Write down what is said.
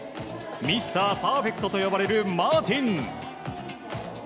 ミスターパーフェクトと呼ばれるマーティン。